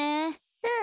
うん。